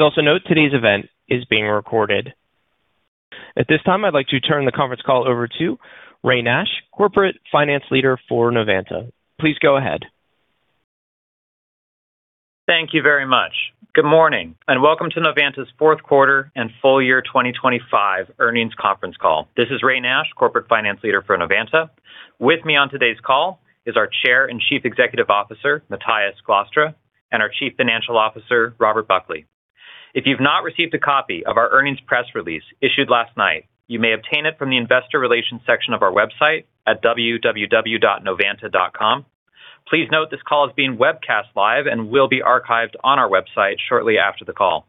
Also note, today's event is being recorded. At this time, I'd like to turn the conference call over to Ray Nash, Corporate Finance Leader for Novanta. Please go ahead. Thank you very much. Good morning, and welcome to Novanta's Fourth Quarter and Full Year 2025 Earnings Conference Call. This is Ray Nash, Corporate Finance Leader for Novanta. With me on today's call is our Chair and Chief Executive Officer, Matthijs Glastra, and our Chief Financial Officer, Robert Buckley. If you've not received a copy of our earnings press release issued last night, you may obtain it from the Investor Relations section of our website at www.novanta.com. Please note this call is being webcast live and will be archived on our website shortly after the call.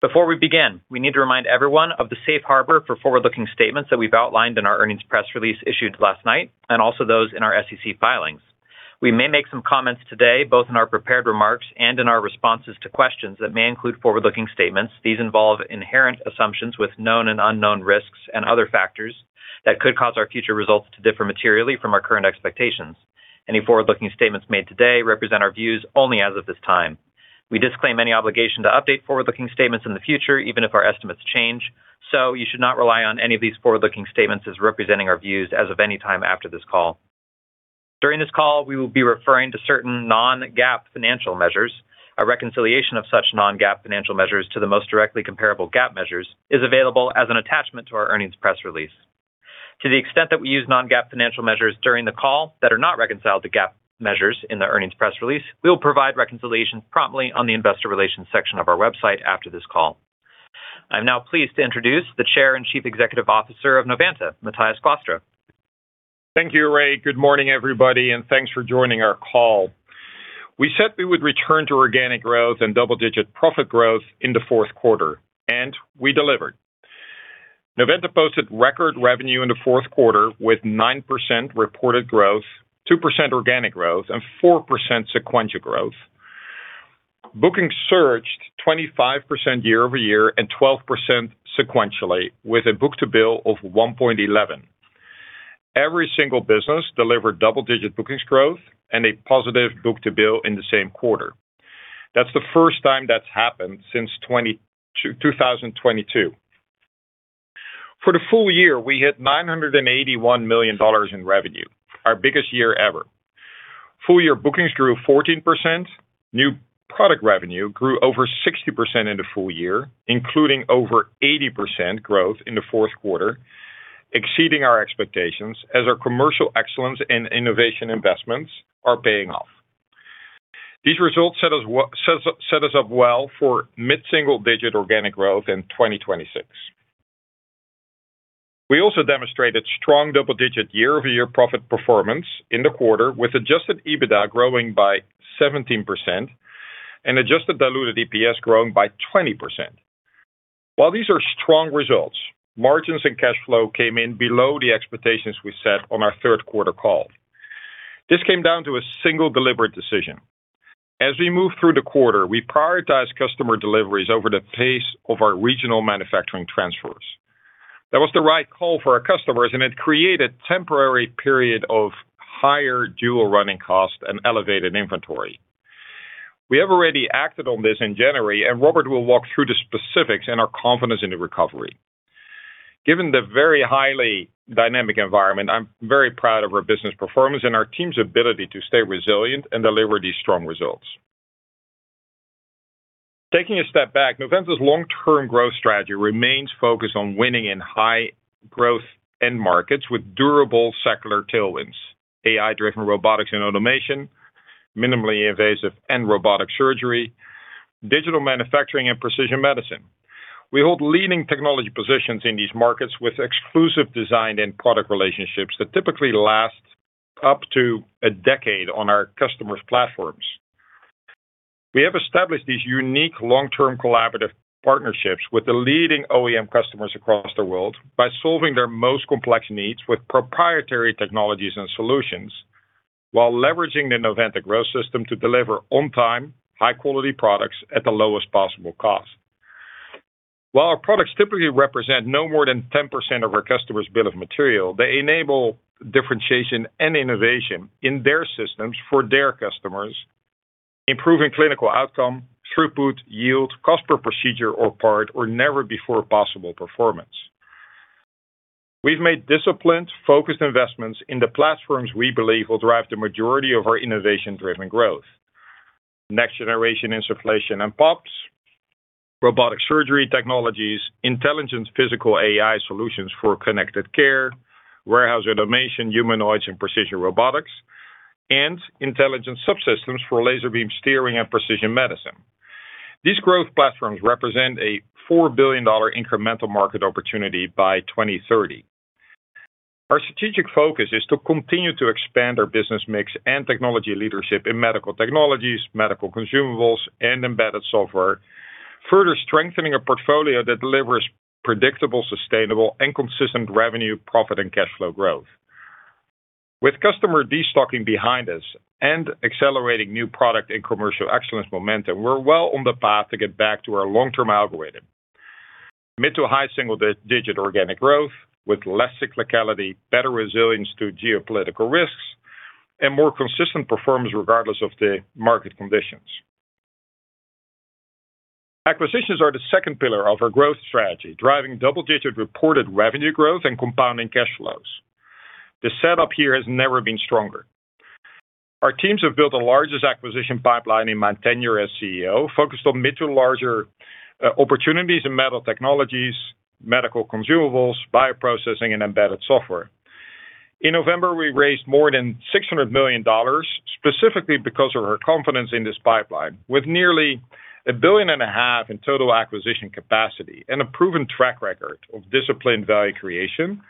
Before we begin, we need to remind everyone of the Safe Harbor for forward-looking statements that we've outlined in our earnings press release issued last night, and also those in our SEC filings. We may make some comments today, both in our prepared remarks and in our responses to questions that may include forward-looking statements. These involve inherent assumptions with known and unknown risks and other factors that could cause our future results to differ materially from our current expectations. Any forward-looking statements made today represent our views only as of this time. We disclaim any obligation to update forward-looking statements in the future, even if our estimates change. You should not rely on any of these forward-looking statements as representing our views as of any time after this call. During this call, we will be referring to certain non-GAAP financial measures. A reconciliation of such non-GAAP financial measures to the most directly comparable GAAP measures is available as an attachment to our earnings press release. To the extent that we use non-GAAP financial measures during the call that are not reconciled to GAAP measures in the earnings press release, we will provide reconciliations promptly on the investor relations section of our website after this call. I'm now pleased to introduce the Chair and Chief Executive Officer of Novanta, Matthijs Glastra. Thank you, Ray. Good morning, everybody, and thanks for joining our call. We said we would return to organic growth and double-digit profit growth in the fourth quarter, and we delivered. Novanta posted record revenue in the fourth quarter with 9% reported growth, 2% organic growth, and 4% sequential growth. Bookings surged 25% year-over-year and 12% sequentially, with a book-to-bill of 1.11. Every single business delivered double-digit bookings growth and a positive book-to-bill in the same quarter. That's the first time that's happened since 2022. For the full year, we hit $981 million in revenue, our biggest year ever. Full-year bookings grew 14%. New product revenue grew over 60% in the full year, including over 80% growth in the fourth quarter, exceeding our expectations as our commercial excellence and innovation investments are paying off. These results set us up well for mid-single-digit organic growth in 2026. We also demonstrated strong double-digit year-over-year profit performance in the quarter, with Adjusted EBITDA growing by 17% and Adjusted Diluted EPS growing by 20%. While these are strong results, margins and cash flow came in below the expectations we set on our third quarter call. This came down to a single deliberate decision. As we moved through the quarter, we prioritized customer deliveries over the pace of our regional manufacturing transfers. That was the right call for our customers, and it created temporary period of higher dual running costs and elevated inventory. We have already acted on this in January, and Robert will walk through the specifics and our confidence in the recovery. Given the very highly dynamic environment, I'm very proud of our business performance and our team's ability to stay resilient and deliver these strong results. Taking a step back, Novanta's long-term growth strategy remains focused on winning in high-growth end markets with durable secular tailwinds, AI-driven Robotics & Automation, minimally invasive and robotic surgery, digital manufacturing, and precision medicine. We hold leading technology positions in these markets with exclusive design and product relationships that typically last up to a decade on our customers' platforms. We have established these unique long-term collaborative partnerships with the leading OEM customers across the world by solving their most complex needs with proprietary technologies and solutions, while leveraging the Novanta Growth System to deliver on-time, high-quality products at the lowest possible cost. While our products typically represent no more than 10% of our customers' bill of material, they enable differentiation and innovation in their systems for their customers, improving clinical outcome, throughput, yield, cost per procedure or part, or never-before-possible performance. We've made disciplined, focused investments in the platforms we believe will drive the majority of our innovation-driven growth. Next-generation insufflation and POPs, robotic surgery technologies, Intelligent Physical AI solutions for connected Warehouse Automation, humanoids and precision robotics, and Intelligent subsystems for laser beam steering and precision medicine. These growth platforms represent a $4 billion incremental market opportunity by 2030. Our strategic focus is to continue to expand our business mix and technology leadership in medical technologies, medical consumables, and embedded software, further strengthening a portfolio that delivers predictable, sustainable, and consistent revenue, profit, and cash flow growth. With customer destocking behind us and accelerating new product and commercial excellence momentum, we're well on the path to get back to our long-term algorithm, mid to high single-digit organic growth with less cyclicality, better resilience to geopolitical risks, and more consistent performance regardless of the market conditions. Acquisitions are the second pillar of our growth strategy, driving double-digit reported revenue growth and compounding cash flows. The setup here has never been stronger. Our teams have built the largest acquisition pipeline in my tenure as CEO, focused on mid to larger opportunities in Medical Technologies, medical consumables, bioprocessing, and embedded software. In November, we raised more than $600 million, specifically because of our confidence in this pipeline. With nearly $1.5 billion in total acquisition capacity and a proven track record of disciplined value creation,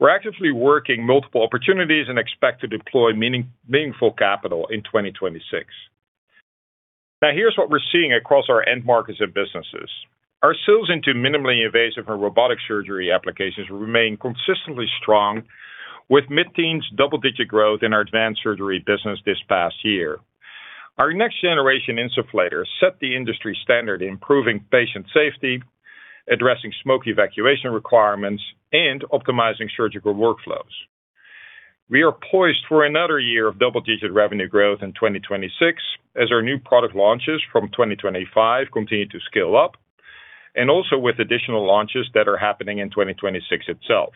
we're actively working multiple opportunities and expect to deploy meaningful capital in 2026. Here's what we're seeing across our end markets and businesses. Our sales into minimally invasive and robotic surgery applications remain consistently strong, with mid-10s double-digit growth in our advanced surgery business this past year. Our next-generation insufflators set the industry standard, improving patient safety, addressing smoke evacuation requirements, and optimizing surgical workflows. We are poised for another year of double-digit revenue growth in 2026, as our new product launches from 2025 continue to scale up, and also with additional launches that are happening in 2026 itself.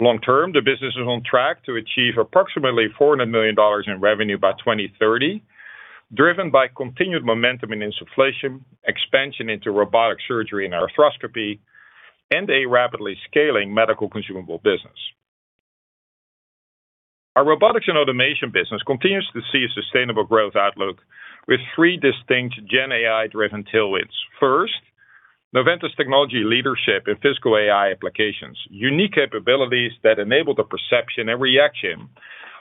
Long term, the business is on track to achieve approximately $400 million in revenue by 2030, driven by continued momentum in insufflation, expansion into robotic surgery and arthroscopy, a rapidly scaling medical consumable business. OurRobotics & Automation business continues to see a sustainable growth outlook with three distinct GenAI-driven tailwinds. First, Novanta's technology leadership in Physical AI applications, unique capabilities that enable the perception and reaction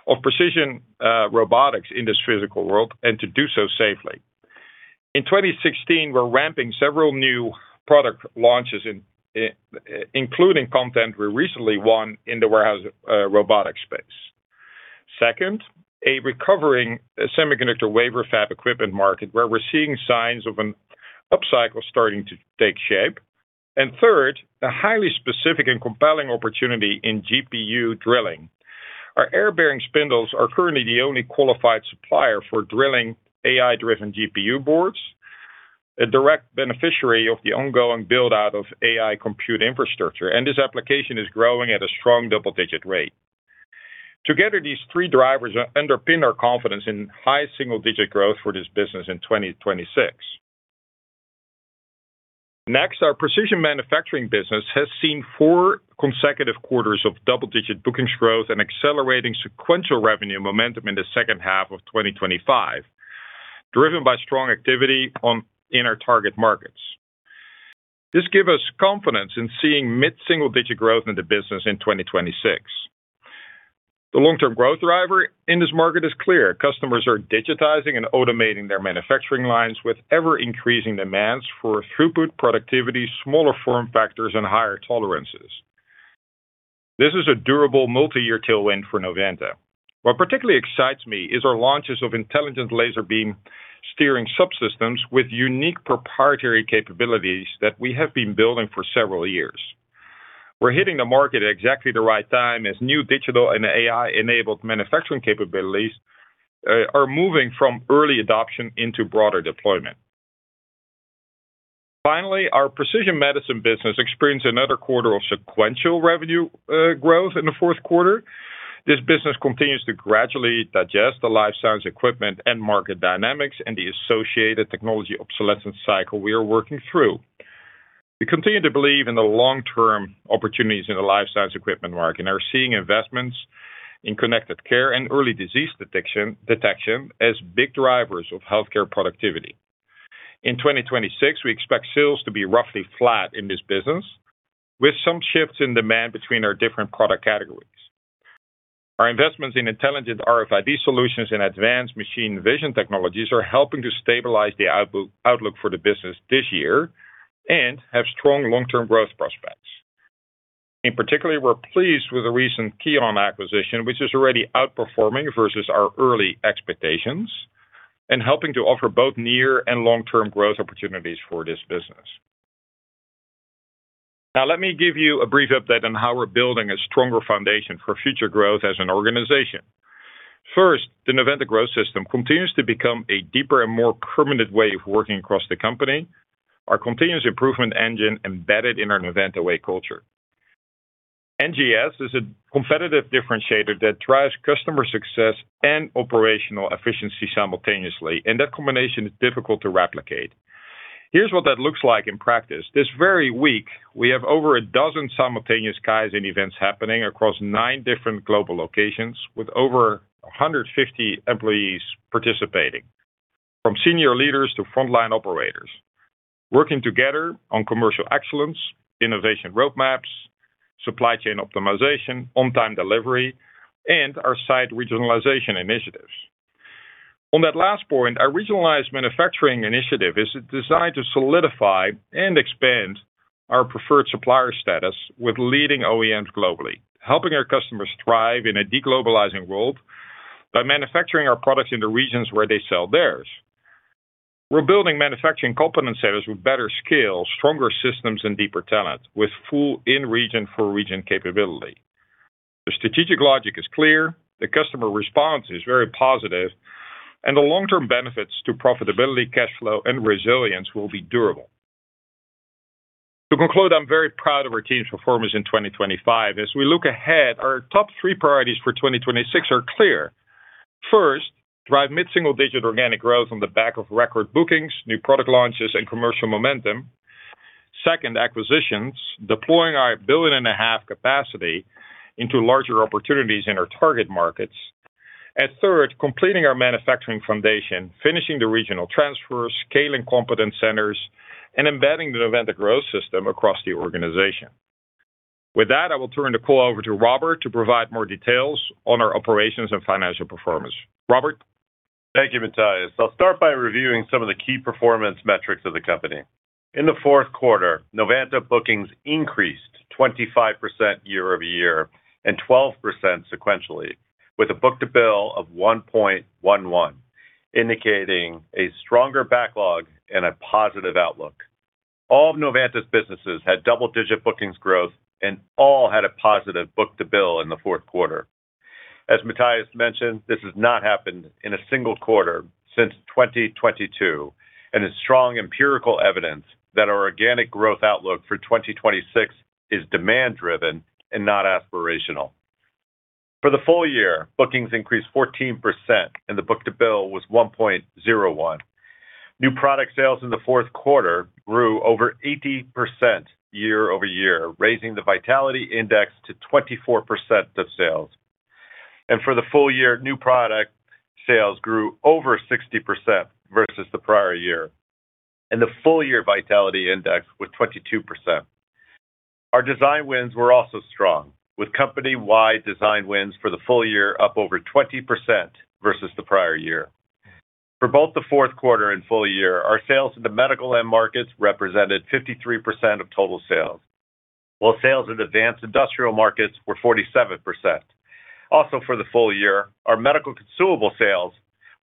of precision robotics in this physical world and to do so safely. In 2016, we're ramping several new product launches including content we recently won in the warehouse robotic space. Second, a recovering semiconductor wafer fab equipment market, where we're seeing signs of an upcycle starting to take shape. Third, a highly specific and compelling opportunity in GPU drilling. Our air-bearing spindles are currently the only qualified supplier for drilling AI-driven GPU boards, a direct beneficiary of the ongoing build-out of AI compute infrastructure. This application is growing at a strong double-digit rate. Together, these three drivers underpin our confidence in high single-digit growth for this business in 2026. Next, our Precision Manufacturing Business has seen four consecutive quarters of double-digit bookings growth and accelerating sequential revenue momentum in the second half of 2025, driven by strong activity in our target markets. This give us confidence in seeing mid-single-digit growth in the business in 2026. The long-term growth driver in this market is clear. Customers are digitizing and automating their manufacturing lines with ever-increasing demands for throughput, productivity, smaller form factors, and higher tolerances. This is a durable multi-year tailwind for Novanta. What particularly excites me is our launches of Intelligent Laser Beam steering subsystems with unique proprietary capabilities that we have been building for several years. We're hitting the market at exactly the right time, as new digital and AI-enabled manufacturing capabilities are moving from early adoption into broader deployment. Finally, our precision medicine business experienced another quarter of sequential revenue growth in the fourth quarter. This business continues to gradually digest the life science equipment and market dynamics and the associated technology obsolescence cycle we are working through. We continue to believe in the long-term opportunities in the life science equipment market and are seeing investments in connected care and early disease detection as big drivers of healthcare productivity. In 2026, we expect sales to be roughly flat in this business, with some shifts in demand between our different product categories. Our investments in Intelligent RFID Solutions and advanced machine vision technologies are helping to stabilize the outlook for the business this year and have strong long-term growth prospects. We're pleased with the recent Keonn acquisition, which is already outperforming versus our early expectations and helping to offer both near and long-term growth opportunities for this business. Let me give you a brief update on how we're building a stronger foundation for future growth as an organization. First, the Novanta Growth System continues to become a deeper and more permanent way of working across the company, our continuous improvement engine embedded in our Novanta Way culture. NGS is a competitive differentiator that drives customer success and operational efficiency simultaneously, that combination is difficult to replicate. Here's what that looks like in practice. This very week, we have over a dozen simultaneous Kaizen events happening across nine different global locations, with over 150 employees participating, from senior leaders to frontline operators, working together on commercial excellence, innovation roadmaps, supply chain optimization, on-time delivery, and our site regionalization initiatives. On that last point, our regionalized manufacturing initiative is designed to solidify and expand our preferred supplier status with leading OEMs globally, helping our customers thrive in a de-globalizing world-... By manufacturing our products in the regions where they sell theirs. We're building manufacturing competence centers with better scale, stronger systems, and deeper talent, with full in-region for region capability. The strategic logic is clear, the customer response is very positive, and the long-term benefits to profitability, cash flow, and resilience will be durable. To conclude, I'm very proud of our team's performance in 2025. As we look ahead, our top three priorities for 2026 are clear. First, drive mid-single-digit organic growth on the back of record bookings, new product launches, and commercial momentum. Second, acquisitions, deploying our $1.5 billion capacity into larger opportunities in our target markets. Third, completing our manufacturing foundation, finishing the regional transfers, scaling competence centers, and embedding the Novanta Growth System across the organization. With that, I will turn the call over to Robert to provide more details on our operations and financial performance. Robert? Thank you, Matthijs. I'll start by reviewing some of the key performance metrics of the company. In the fourth quarter, Novanta bookings increased 25% year-over-year and 12% sequentially, with a book-to-bill of 1.11, indicating a stronger backlog and a positive outlook. All of Novanta's businesses had double-digit bookings growth, and all had a positive book-to-bill in the fourth quarter. As Matthijs mentioned, this has not happened in a single quarter since 2022, and is strong empirical evidence that our organic growth outlook for 2026 is demand-driven and not aspirational. For the full year, bookings increased 14%, and the book-to-bill was 1.01. New product sales in the fourth quarter grew over 80% year-over-year, raising the vitality index to 24% of sales. For the full year, new product sales grew over 60% versus the prior year, and the full year vitality index was 22%. Our design wins were also strong, with company-wide design wins for the full year up over 20% versus the prior year. For both the fourth quarter and full year, our sales in the medical end markets represented 53% of total sales, while sales in advanced industrial markets were 47%. Also, for the full year, our medical consumable sales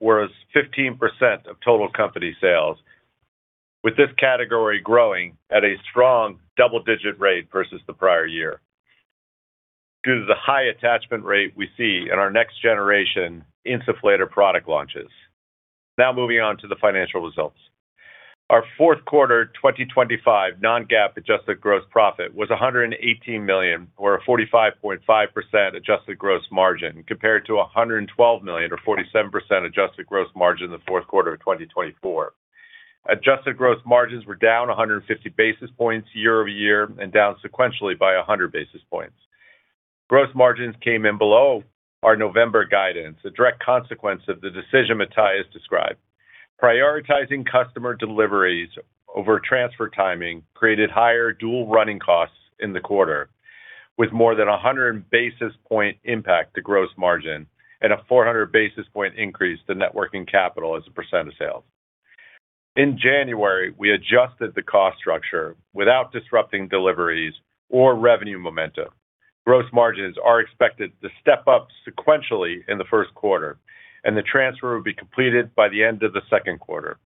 were 15% of total company sales, with this category growing at a strong double-digit rate versus the prior year. Due to the high attachment rate we see in our next generation insufflator product launches. Moving on to the financial results. Our fourth quarter 2025 non-GAAP adjusted gross profit was $118 million, or a 45.5% adjusted gross margin, compared to $112 million or 47% adjusted gross margin in the fourth quarter of 2024. Adjusted gross margins were down 150 basis points year-over-year and down sequentially by 100 basis points. Gross margins came in below our November guidance, a direct consequence of the decision Matthijs described. Prioritizing customer deliveries over transfer timing created higher dual running costs in the quarter, with more than a 100 basis point impact to gross margin and a 400 basis point increase to net working capital as a percent of sales. In January, we adjusted the cost structure without disrupting deliveries or revenue momentum. Gross margins are expected to step up sequentially in the first quarter, and the transfer will be completed by the end of the second quarter.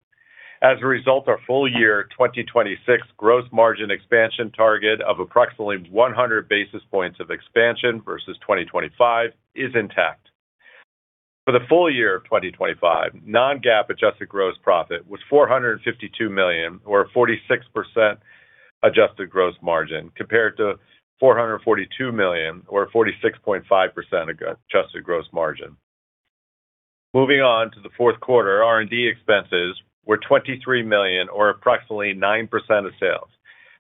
As a result, our full year 2026 gross margin expansion target of approximately 100 basis points of expansion versus 2025 is intact. For the full year of 2025, non-GAAP adjusted gross profit was $452 million, or 46% adjusted gross margin, compared to $442 million or 46.5% adjusted gross margin. Moving on to the fourth quarter. R&D expenses were $23 million, or approximately 9% of sales.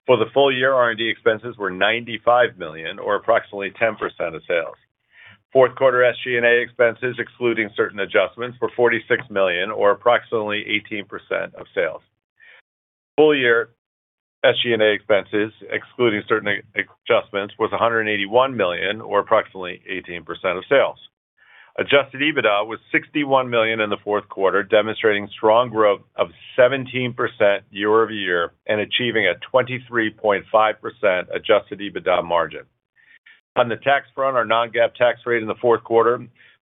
For the full year, R&D expenses were $95 million, or approximately 10% of sales. Fourth quarter SG&A expenses, excluding certain adjustments, were $46 million or approximately 18% of sales. Full year SG&A expenses, excluding certain adjustments, was $181 million or approximately 18% of sales. Adjusted EBITDA was $61 million in the fourth quarter, demonstrating strong growth of 17% year-over-year and achieving a 23.5% Adjusted EBITDA margin. On the tax front, our non-GAAP tax rate in the fourth quarter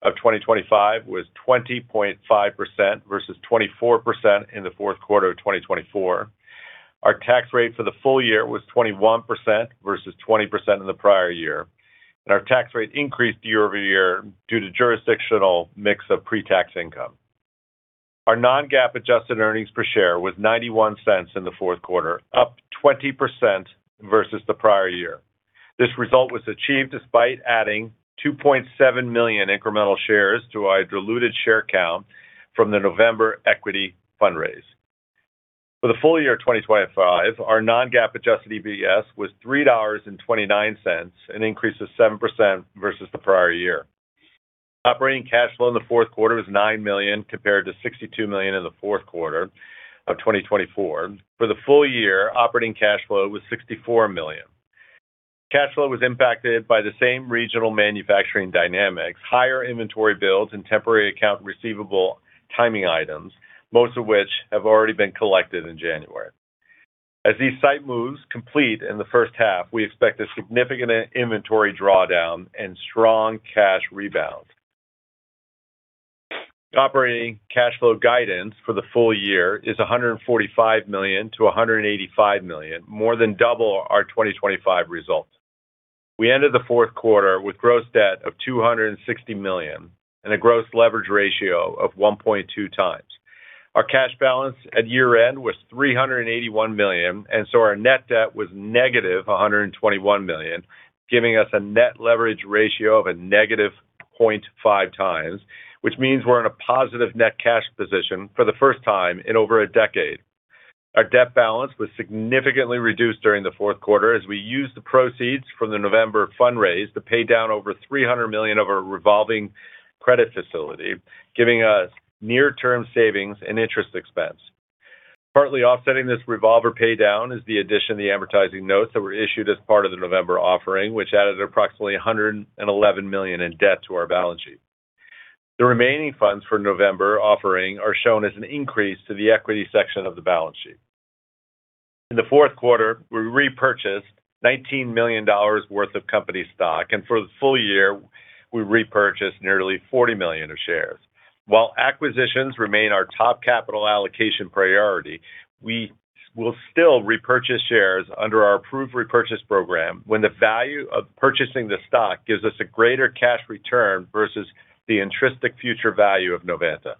of 2025 was 20.5% versus 24% in the fourth quarter of 2024. Our tax rate for the full year was 21% versus 20% in the prior year. Our tax rate increased year-over-year due to jurisdictional mix of pre-tax income. Our non-GAAP adjusted earnings per share was $0.91 in the fourth quarter, up 20% versus the prior year. This result was achieved despite adding 2.7 million incremental shares to our diluted share count from the November equity fundraise. For the full year of 2025, our non-GAAP adjusted EPS was $3.29, an increase of 7% versus the prior year. Operating cash flow in the fourth quarter was $9 million, compared to $62 million in the fourth quarter of 2024. For the full year, operating cash flow was $64 million. Cash flow was impacted by the same regional manufacturing dynamics, higher inventory builds, and temporary account receivable timing items, most of which have already been collected in January. As these site moves complete in the first half, we expect a significant inventory drawdown and strong cash rebound. Operating cash flow guidance for the full year is $145 million-$185 million, more than double our 2025 results. We ended the fourth quarter with gross debt of $260 million and a gross leverage ratio of 1.2x. Our cash balance at year-end was $381 million, our net debt was -$121 million, giving us a net leverage ratio of a -0.5x, which means we're in a positive net cash position for the first time in over a decade. Our debt balance was significantly reduced during the fourth quarter as we used the proceeds from the November fundraise to pay down over $3 million of our revolving credit facility, giving us near-term savings and interest expense. Partly offsetting this revolver paydown is the addition of the advertising notes that were issued as part of the November offering, which added approximately $111 million in debt to our balance sheet. The remaining funds for November offering are shown as an increase to the equity section of the balance sheet. In the fourth quarter, we repurchased $19 million worth of company stock, and for the full year, we repurchased nearly $40 million of shares. While acquisitions remain our top capital allocation priority, we will still repurchase shares under our approved repurchase program when the value of purchasing the stock gives us a greater cash return versus the intrinsic future value of Novanta.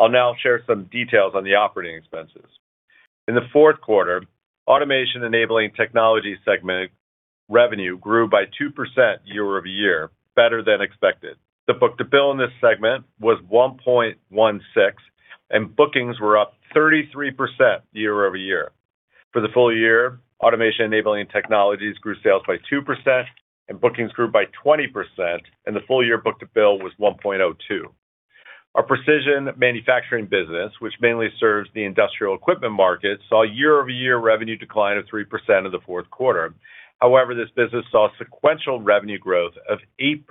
I'll now share some details on the operating expenses. In the fourth quarter, Automation Enabling Technologies segment revenue grew by 2% year-over-year, better than expected. The book-to-bill in this segment was 1.16, and bookings were up 33% year-over-year. For the full year, Automation Enabling Technologies grew sales by 2% and bookings grew by 20%, and the full year book-to-bill was 1.02. Our Precision Manufacturing Business which mainly serves the industrial equipment market, saw a year-over-year revenue decline of 3% in the fourth quarter. However, this business saw sequential revenue growth of 8%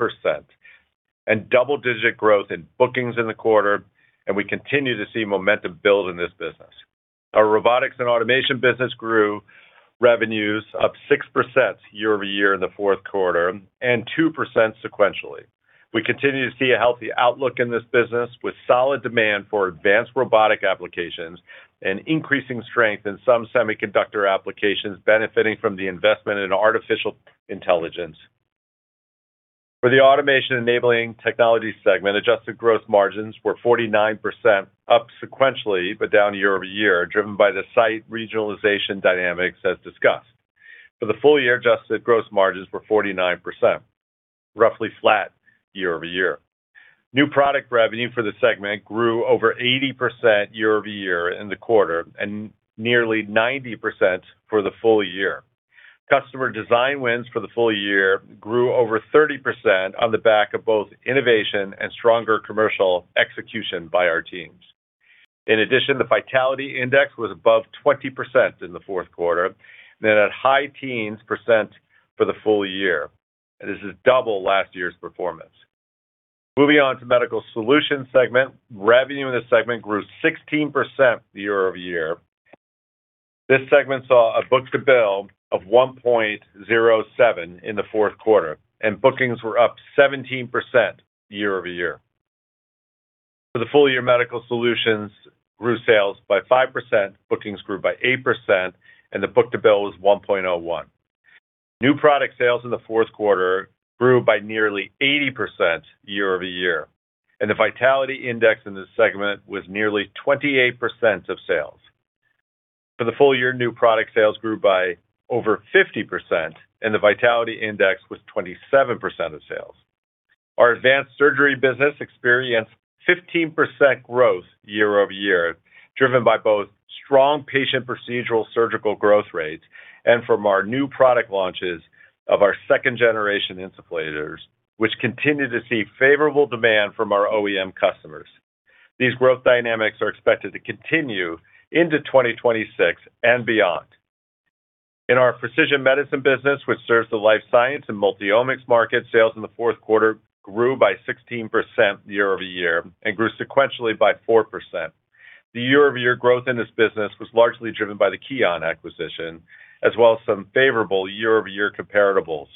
and double-digit growth in bookings in the quarter, and we continue to see momentum build in this business. OurRobotics & Automation Business grew revenues up 6% year-over-year in the fourth quarter and 2% sequentially. We continue to see a healthy outlook in this business, with solid demand for advanced robotic applications and increasing strength in some semiconductor applications, benefiting from the investment in artificial intelligence. For the Automation Enabling Technologies segment, adjusted gross margins were 49%, up sequentially but down year-over-year, driven by the site regionalization dynamics, as discussed. For the full year, adjusted gross margins were 49%, roughly flat year-over-year. New product revenue for the segment grew over 80% year-over-year in the quarter and nearly 90% for the full year. Customer design wins for the full year grew over 30% on the back of both innovation and stronger commercial execution by our teams. In addition, the vitality index was above 20% in the fourth quarter, then at high teens% for the full year. This is double last year's performance. Moving on to Medical Solutions segment. Revenue in this segment grew 16% year-over-year. This segment saw a book-to-bill of 1.07 in the fourth quarter, and bookings were up 17% year-over-year. For the full year, Medical Solutions grew sales by 5%, bookings grew by 8%, and the book-to-bill was 1.01. New product sales in the fourth quarter grew by nearly 80% year-over-year, and the vitality index in this segment was nearly 28% of sales. For the full year, new product sales grew by over 50%, and the vitality index was 27% of sales. Our advanced surgery business experienced 15% growth year-over-year, driven by both strong patient procedural surgical growth rates and from our new product launches of our Second-Generation Insufflators, which continued to see favorable demand from our OEM customers. These growth dynamics are expected to continue into 2026 and beyond. In our precision medicine business, which serves the life science and multi-omics market, sales in the fourth quarter grew by 16% year-over-year and grew sequentially by 4%. The year-over-year growth in this business was largely driven by the Keonn acquisition, as well as some favorable year-over-year comparables.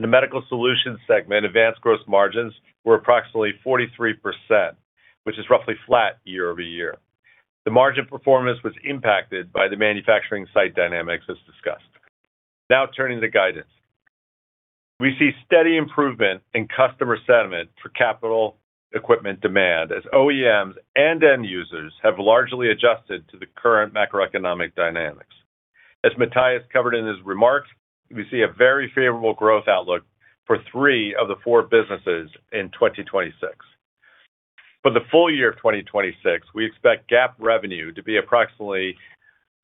In the Medical Solutions segment, advanced gross margins were approximately 43%, which is roughly flat year-over-year. The margin performance was impacted by the manufacturing site dynamics, as discussed. Turning to guidance. We see steady improvement in customer sentiment for capital equipment demand as OEMs and end users have largely adjusted to the current macroeconomic dynamics. As Matthijs covered in his remarks, we see a very favorable growth outlook for three of the four businesses in 2026. For the full year of 2026, we expect GAAP revenue to be approximately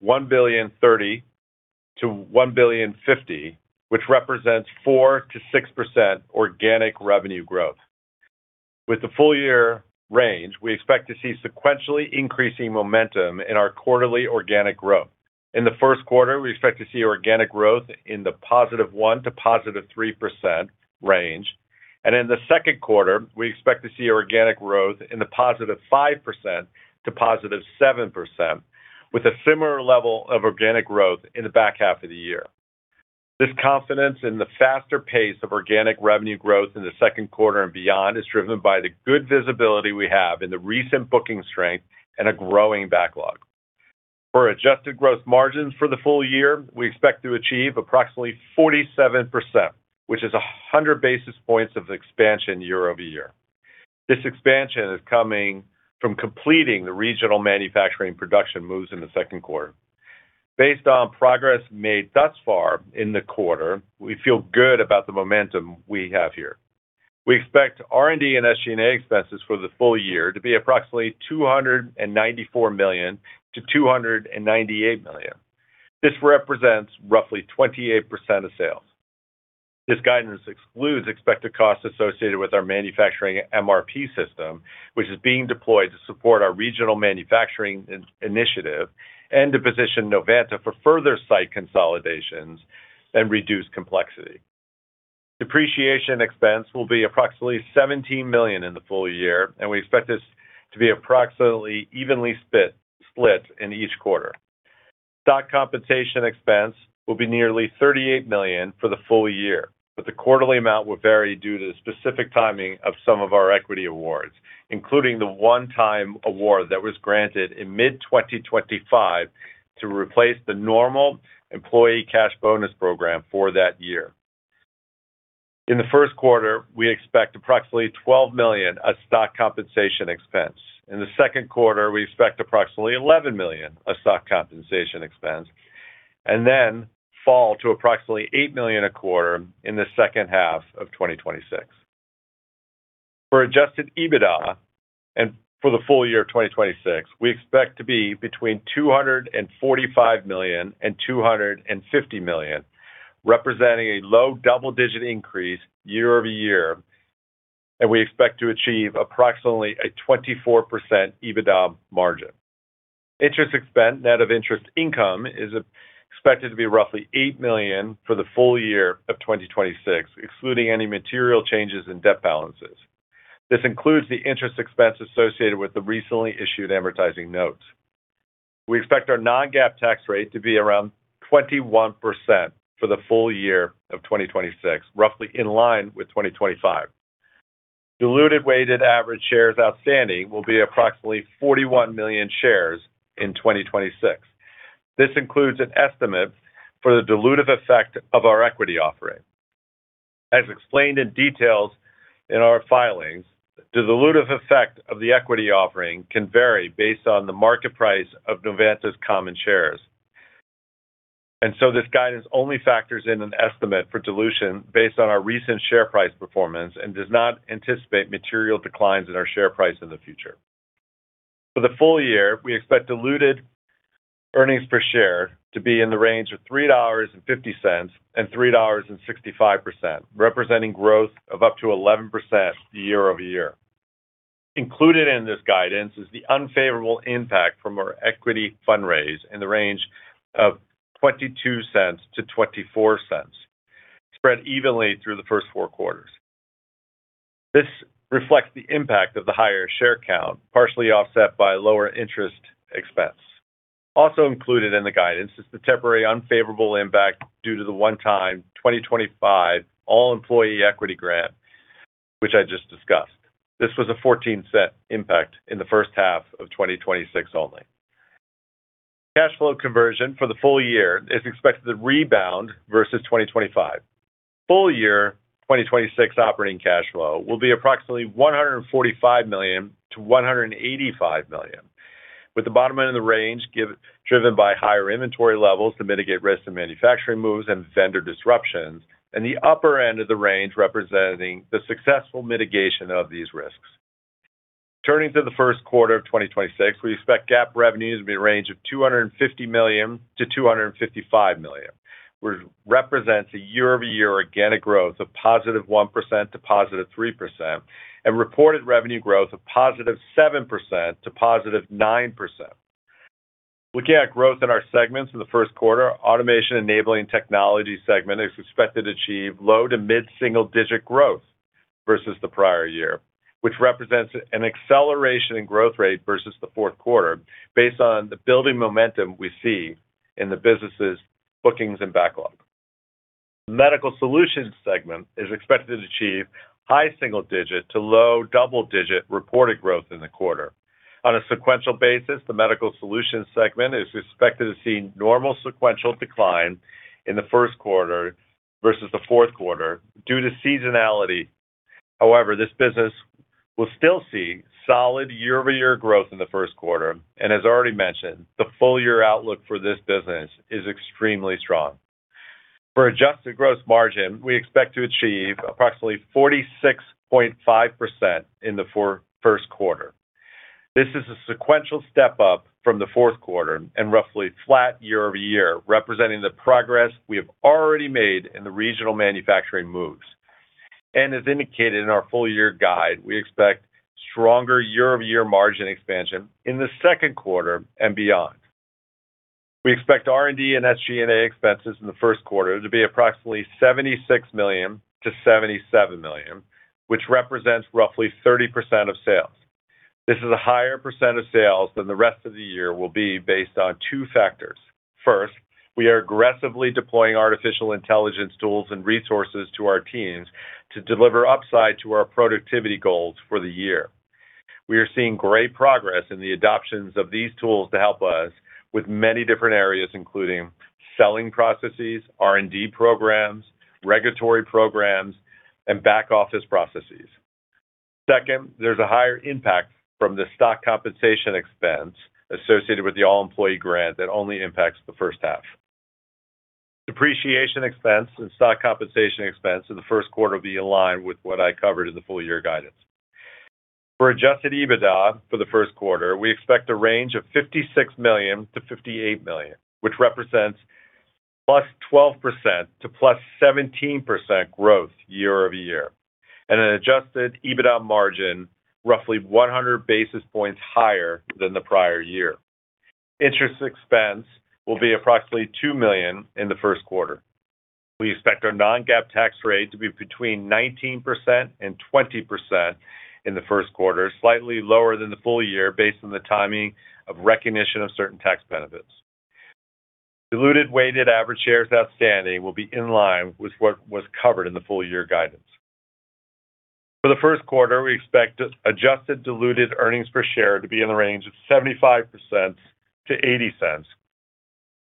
$1.03 billion-$1.05 billion, which represents 4%-6% organic revenue growth. With the full year range, we expect to see sequentially increasing momentum in our quarterly organic growth. In the first quarter, we expect to see organic growth in the +1% to +3% range. In the second quarter, we expect to see organic growth in the +5% to +7%, with a similar level of organic growth in the back half of the year. This confidence in the faster pace of organic revenue growth in the second quarter and beyond is driven by the good visibility we have in the recent booking strength and a growing backlog. For adjusted growth margins for the full year, we expect to achieve approximately 47%, which is 100 basis points of expansion year-over-year. This expansion is coming from completing the regional manufacturing production moves in the second quarter. Based on progress made thus far in the quarter, we feel good about the momentum we have here. We expect R&D and SG&A expenses for the full year to be approximately $294 million-$298 million. This represents roughly 28% of sales. This guidance excludes expected costs associated with our manufacturing MRP system, which is being deployed to support our regional manufacturing initiative and to position Novanta for further site consolidations and reduce complexity. Depreciation expense will be approximately $17 million in the full year, and we expect this to be approximately evenly split in each quarter. Stock compensation expense will be nearly $38 million for the full year. The quarterly amount will vary due to the specific timing of some of our equity awards, including the one-time award that was granted in mid-2025 to replace the normal employee cash bonus program for that year. In the first quarter, we expect approximately $12 million of stock compensation expense. In the second quarter, we expect approximately $11 million of stock compensation expense. Then fall to approximately $8 million a quarter in the second half of 2026. For Adjusted EBITDA and for the full year of 2026, we expect to be between $245 million and $250 million, representing a low double-digit increase year-over-year. We expect to achieve approximately a 24% EBITDA margin. Interest expense, net of interest income, is expected to be roughly $8 million for the full year of 2026, excluding any material changes in debt balances. This includes the interest expense associated with the recently issued advertising notes. We expect our non-GAAP tax rate to be around 21% for the full year of 2026, roughly in line with 2025. Diluted weighted average shares outstanding will be approximately 41 million shares in 2026. This includes an estimate for the dilutive effect of our equity offering. As explained in details in our filings, the dilutive effect of the equity offering can vary based on the market price of Novanta's common shares. This guidance only factors in an estimate for dilution based on our recent share price performance and does not anticipate material declines in our share price in the future. For the full year, we expect diluted earnings per share to be in the range of $3.50 and 3.65%, representing growth of up to 11% year-over-year. Included in this guidance is the unfavorable impact from our equity fundraise in the range of $0.22-$0.24, spread evenly through the first four quarters. This reflects the impact of the higher share count, partially offset by lower interest expense. Also included in the guidance is the temporary unfavorable impact due to the one-time, 2025 all-employee equity grant, which I just discussed. This was a $0.14 impact in the first half of 2026 only. Cash flow conversion for the full year is expected to rebound versus 2025. Full year 2026 operating cash flow will be approximately $145 million-$185 million, with the bottom end of the range driven by higher inventory levels to mitigate risks in manufacturing moves and vendor disruptions, and the upper end of the range representing the successful mitigation of these risks. Turning to the first quarter of 2026, we expect GAAP revenues to be a range of $250 million-$255 million, which represents a year-over-year organic growth of +1% to +3% and reported revenue growth of +7% to +9%. Looking at growth in our segments in the first quarter, Automation Enabling Technologies segment is expected to achieve low to mid-single-digit growth versus the prior year, which represents an acceleration in growth rate versus the fourth quarter, based on the building momentum we see in the business's bookings and backlog. Medical Solutions segment is expected to achieve high single-digit to low double-digit reported growth in the quarter. On a sequential basis, the Medical Solutions segment is expected to see normal sequential decline in the first quarter versus the fourth quarter due to seasonality. However, this business will still see solid year-over-year growth in the first quarter. As already mentioned, the full-year outlook for this business is extremely strong. For Adjusted gross margin, we expect to achieve approximately 46.5% in the first quarter. This is a sequential step up from the fourth quarter and roughly flat year-over-year, representing the progress we have already made in the regional manufacturing moves. As indicated in our full year guide, we expect stronger year-over-year margin expansion in the second quarter and beyond. We expect R&D and SG&A expenses in the first quarter to be approximately $76 million-$77 million, which represents roughly 30% of sales. This is a higher percent of sales than the rest of the year will be based on two factors. First, we are aggressively deploying artificial intelligence tools and resources to our teams to deliver upside to our productivity goals for the year. We are seeing great progress in the adoptions of these tools to help us with many different areas, including selling processes, R&D programs, regulatory programs, and back-office processes. Second, there's a higher impact from the stock compensation expense associated with the all-employee grant that only impacts the first half. Depreciation expense and stock compensation expense in the first quarter will be in line with what I covered in the full-year guidance. For Adjusted EBITDA for the first quarter, we expect a range of $56 million-$58 million, which represents +12%-+17% growth year-over-year, and an Adjusted EBITDA margin roughly 100 basis points higher than the prior year. Interest expense will be approximately $2 million in the first quarter. We expect our non-GAAP tax rate to be between 19% and 20% in the first quarter, slightly lower than the full year, based on the timing of recognition of certain tax benefits. Diluted weighted average shares outstanding will be in line with what was covered in the full-year guidance. For the first quarter, we expect Adjusted Diluted EPS to be in the range of $0.75-$0.80,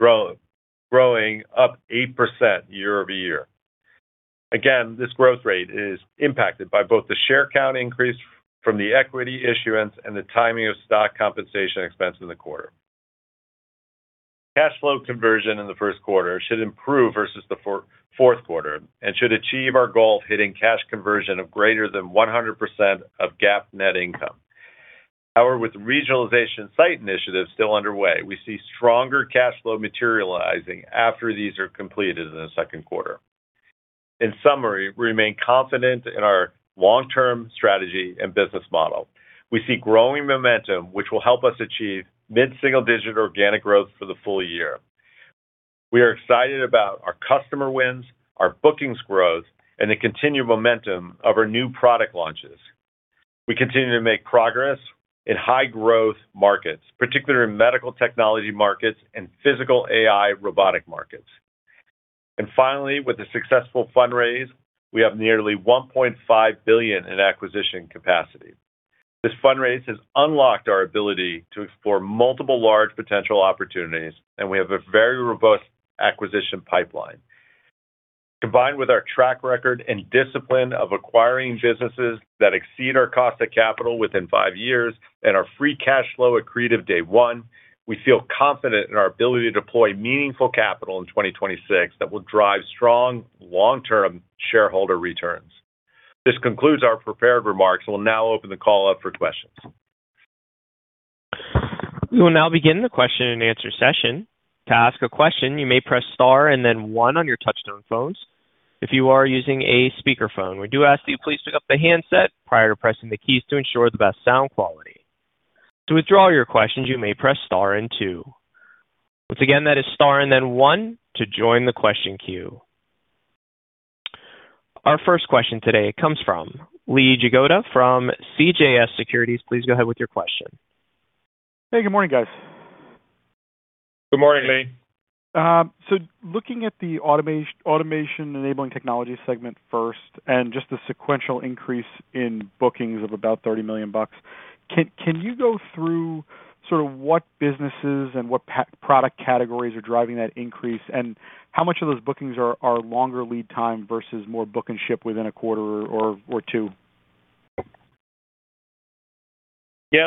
growing up 8% year-over-year. This growth rate is impacted by both the share count increase from the equity issuance and the timing of stock compensation expense in the quarter. Cash flow conversion in the first quarter should improve versus the fourth quarter and should achieve our goal of hitting cash conversion of greater than 100% of GAAP net income. With regionalization site initiatives still underway, we see stronger cash flow materializing after these are completed in the second quarter. In summary, we remain confident in our long-term strategy and business model. We see growing momentum, which will help us achieve mid-single-digit organic growth for the full year. We are excited about our customer wins, our bookings growth, and the continued momentum of our new product launches. We continue to make progress in high-growth markets, particularly in medical technology markets and Physical AI robotic markets. Finally, with a successful fundraise, we have nearly $1.5 billion in acquisition capacity. This fundraise has unlocked our ability to explore multiple large potential opportunities, and we have a very robust acquisition pipeline. Combined with our track record and discipline of acquiring businesses that exceed our cost of capital within five years and our free cash flow accretive day one, we feel confident in our ability to deploy meaningful capital in 2026 that will drive strong long-term shareholder returns. This concludes our prepared remarks. We'll now open the call up for questions. We will now begin the question-and-answer session. To ask a question, you may press star and then one on your touchtone phones. If you are using a speakerphone, we do ask that you please pick up the handset prior to pressing the keys to ensure the best sound quality. To withdraw your questions, you may press star and two. Once again, that is star and then one to join the question queue. Our first question today comes from Lee Jagoda from CJS Securities. Please go ahead with your question. Hey, good morning, guys. Good morning, Lee. Looking at the Automation Enabling Technologies segment first and just the sequential increase in bookings of about $30 million, can you go through sort of what businesses and what product categories are driving that increase, and how much of those bookings are longer lead time versus more book and ship within a quarter or two? Yeah,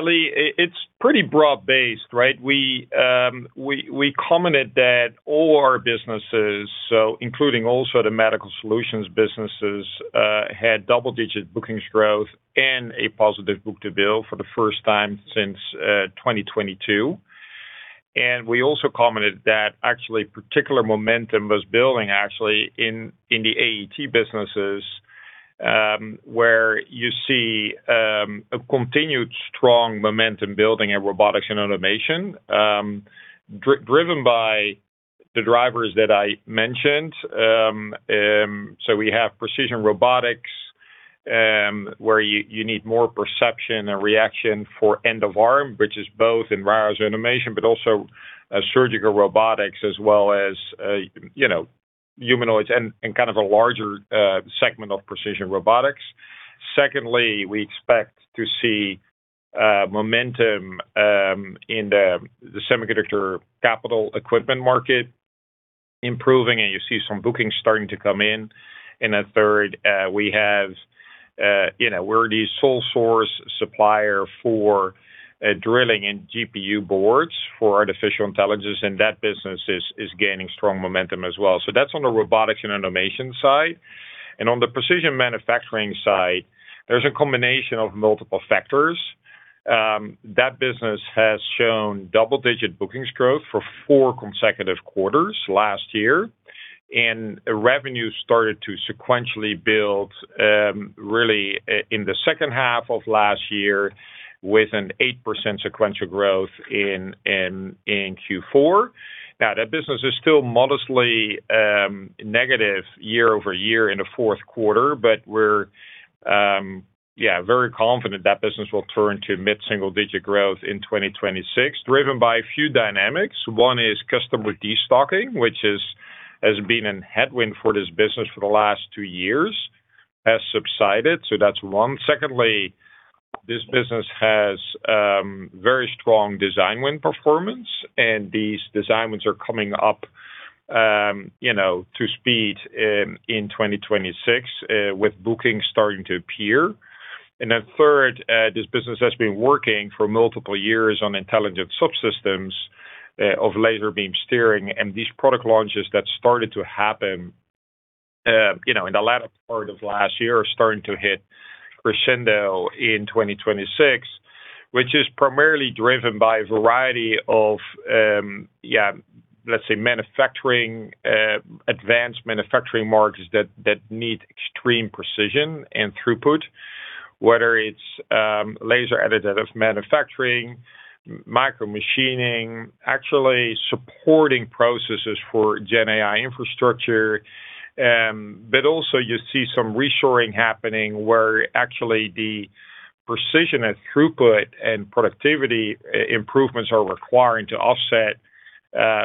Lee, it's pretty broad-based, right? We commented that all our businesses, so including also the Medical Solutions businesses, had double-digit bookings growth and a positive book-to-bill for the first time since 2022. We also commented that actually particular momentum was building actually in the AET businesses, where you see a continued strong momentum building inRobotics & Automation, driven by the drivers that I mentioned. We have precision robotics, where you need more perception and reaction for End-of-Arm, which is both inRobotics & Automation, but also surgical robotics as well as, you know, humanoids and kind of a larger segment of precision robotics. Secondly, we expect to see momentum in the semiconductor capital equipment market improving, and you see some bookings starting to come in. Third, we have, you know, we're the sole source supplier for drilling in GPU boards for artificial intelligence, and that business is gaining strong momentum as well. That's on theRobotics & Automation side, and on the precision manufacturing side, there's a combination of multiple factors. That business has shown double-digit bookings growth for four consecutive quarters last year. Revenue started to sequentially build, really in the second half of last year, with an 8% sequential growth in Q4. Now, that business is still modestly negative year-over-year in the fourth quarter, but we're very confident that business will turn to mid-single digit growth in 2026, driven by a few dynamics. One is customer destocking, which has been a headwind for this business for the last two years, has subsided, so that's one. Secondly, this business has very strong design win performance, and these design wins are coming up, you know, to speed in 2026, with bookings starting to appear. Third, this business has been working for multiple years on Intelligent subsystems of laser beam steering, these product launches that started to happen, you know, in the latter part of last year, are starting to hit crescendo in 2026, which is primarily driven by a variety of, let's say manufacturing, advanced manufacturing markets that need extreme precision and throughput, whether it's laser additive manufacturing, micro machining, actually supporting processes for GenAI infrastructure. You see some reshoring happening, where actually the precision and throughput and productivity improvements are requiring to offset,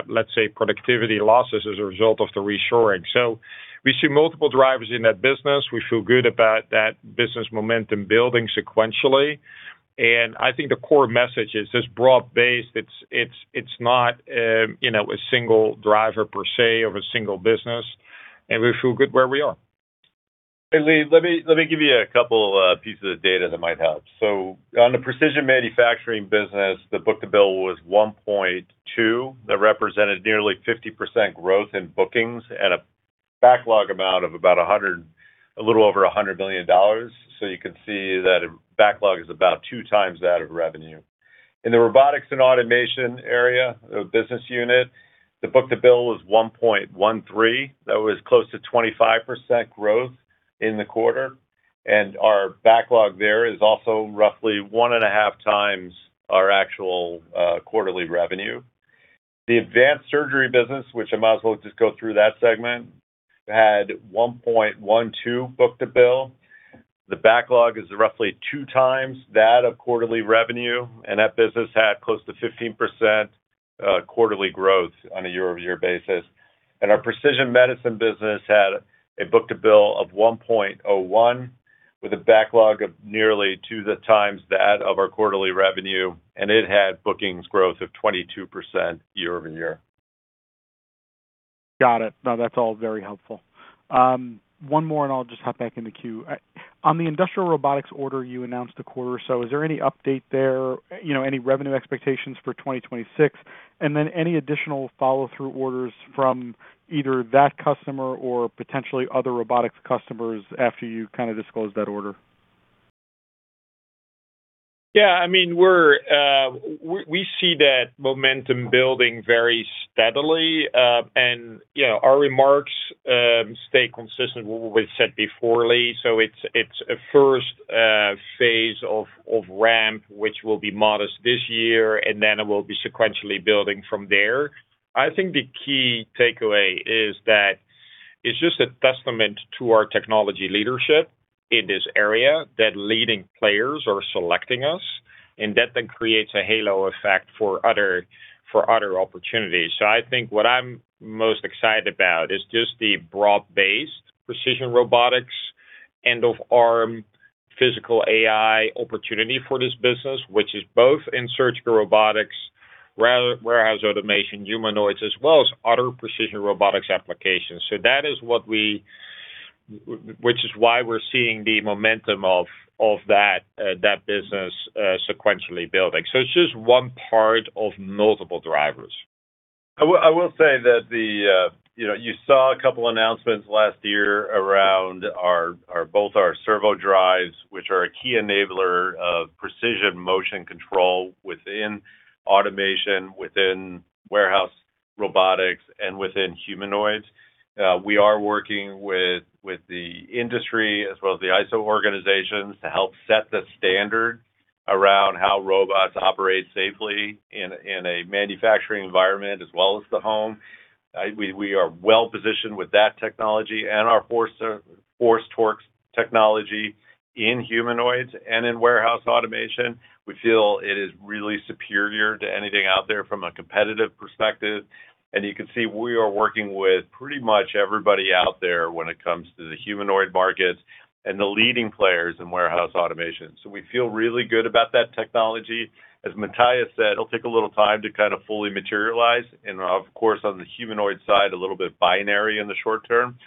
let's say, productivity losses as a result of the reshoring. We see multiple drivers in that business. We feel good about that business momentum building sequentially, and I think the core message is it's broad-based, it's not, you know, a single driver per se, of a single business, and we feel good where we are. Hey, Lee, let me give you a couple of pieces of data that might help. Precision Manufacturing Business the book-to-bill was 1.2. That represented nearly 50% growth in bookings and a backlog amount of a little over $100 million. You can see that backlog is about two times that of revenue. In theRobotics & Automation area of business unit, the book-to-bill was 1.13. That was close to 25% growth in the quarter, and our backlog there is also roughly 1.5 times our actual quarterly revenue. The Advanced Surgery Business, which I might as well just go through that segment, had 1.12 book-to-bill. The backlog is roughly 2 times that of quarterly revenue, and that business had close to 15% quarterly growth on a year-over-year basis. Our precision medicine business had a book-to-bill of 1.01, with a backlog of nearly 2 times that of our quarterly revenue, and it had bookings growth of 22% year-over-year. Got it. No, that's all very helpful. One more, and I'll just hop back in the queue. On the industrial robotics order you announced a quarter or so, is there any update there, you know, any revenue expectations for 2026? Then any additional follow-through orders from either that customer or potentially other robotics customers after you kind of disclosed that order? Yeah, I mean, we're, we see that momentum building very steadily. You know, our remarks stay consistent with what we've said before, Lee. It's a first phase of ramp, which will be modest this year, and then it will be sequentially building from there. I think the key takeaway is that it's just a testament to our technology leadership in this area, that leading players are selecting us, and that then creates a halo effect for other opportunities. I think what I'm most excited about is just the broad-based precision robotics, End-of-Arm Tooling, Physical AI opportunity for this business, which is both in surgical Warehouse Automation, humanoids, as well as other precision robotics applications. That is why we're seeing the momentum of that business sequentially building. It's just one part of multiple drivers. I will say that the, you know, you saw a couple announcements last year around our both our servo drives, which are a key enabler of precision motion control within automation, within warehouse robotics, and within humanoids. We are working with the industry, as well as the ISO organizations, to help set the standard around how robots operate safely in a manufacturing environment as well as the home. We are well positioned with that technology and our force torque technology in humanoids and Warehouse Automation. we feel it is really superior to anything out there from a competitive perspective, and you can see we are working with pretty much everybody out there when it comes to the humanoid markets and the leading players Warehouse Automation. we feel really good about that technology. As Matthijs said, it'll take a little time to kind of fully materialize, and of course, on the humanoid side, a little bit binary in the short term,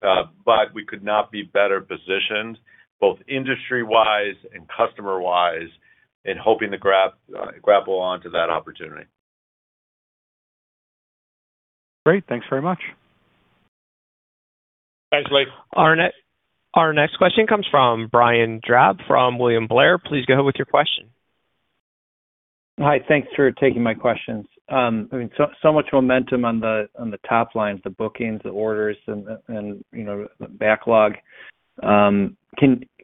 but we could not be better positioned, both industry-wise and customer-wise, in hoping to grab, grapple on to that opportunity. Great. Thanks very much. Thanks, Lee. Our next question comes from Brian Drab from William Blair. Please go ahead with your question. Hi, thanks for taking my questions. I mean, so much momentum on the, on the top line, the bookings, the orders, and, you know, the backlog. Can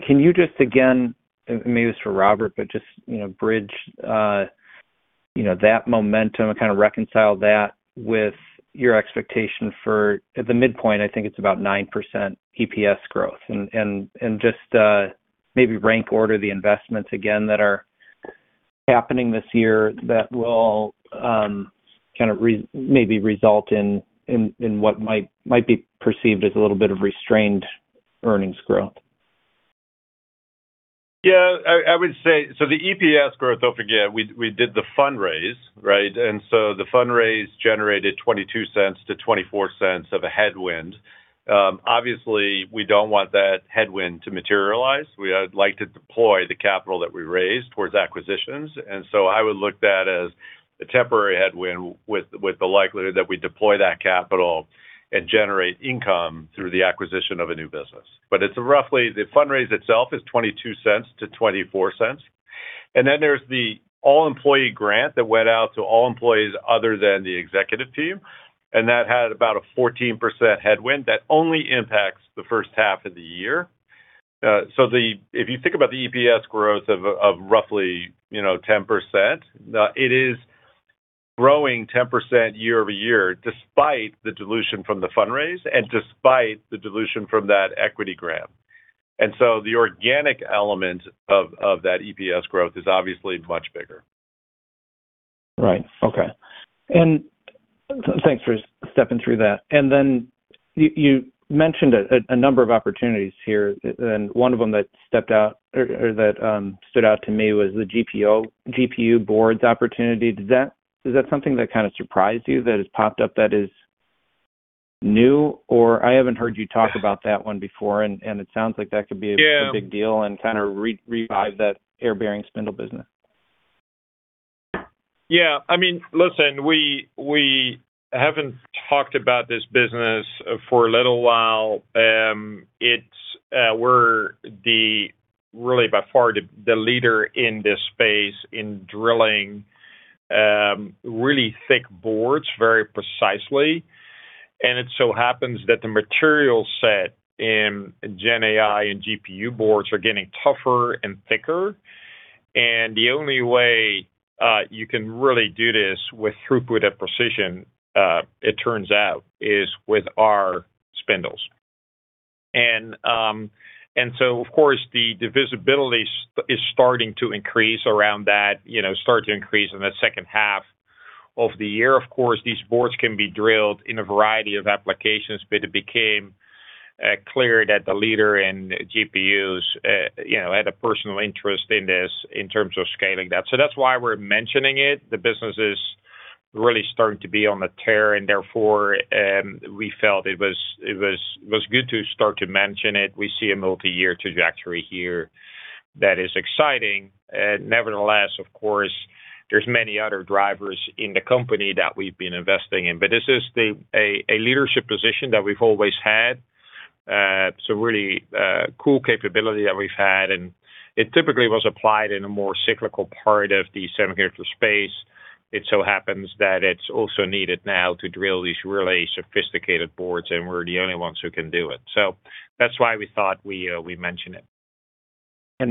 you just again, and maybe this is for Robert, but just, you know, bridge, you know, that momentum and kind of reconcile that with your expectation for, at the midpoint, I think it's about 9% EPS growth. And just, maybe rank order the investments again that are happening this year that will, maybe result in what might be perceived as a little bit of restrained earnings growth. I would say so the EPS growth, don't forget, we did the fundraise, right? The fundraise generated $0.22-$0.24 of a headwind. Obviously, we don't want that headwind to materialize. We would like to deploy the capital that we raised towards acquisitions. I would look that as a temporary headwind with the likelihood that we deploy that capital and generate income through the acquisition of a new business. It's roughly, the fundraise itself is $0.22-$0.24. There's the all-employee grant that went out to all employees other than the executive team, and that had about a 14% headwind that only impacts the first half of the year. If you think about the EPS growth of roughly, you know, 10%, it is growing 10% year-over-year, despite the dilution from the fundraise and despite the dilution from that equity grant. The organic element of that EPS growth is obviously much bigger. Right. Okay. Then you mentioned a number of opportunities here, and one of them that stepped out or that stood out to me was the GPU boards opportunity. Is that something that kind of surprised you, that has popped up, that is new? I haven't heard you talk about that one before, and it sounds like that could be. Yeah... a big deal and kind of revive that air-bearing spindle business. Yeah. I mean, listen, we haven't talked about this business for a little while. It's, we're the really by far, the leader in this space in drilling, really thick boards very precisely. It so happens that the material set in Gen AI and GPU boards are getting tougher and thicker, and the only way you can really do this with throughput and precision, it turns out, is with our spindles. Of course, the divisibility is starting to increase around that, you know, start to increase in the second half of the year. Of course, these boards can be drilled in a variety of applications, but it became clear that the leader in GPUs, you know, had a personal interest in this in terms of scaling that. That's why we're mentioning it. The business is really starting to be on the tear. Therefore, we felt it was good to start to mention it. We see a multi-year trajectory here that is exciting. Nevertheless, of course, there's many other drivers in the company that we've been investing in, but this is a leadership position that we've always had. It's a really cool capability that we've had, and it typically was applied in a more cyclical part of the semiconductor space. It so happens that it's also needed now to drill these really sophisticated boards, and we're the only ones who can do it. That's why we thought we'd mention it.